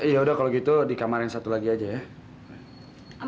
ya udah kalau gitu di kamar yang satu lagi aja ya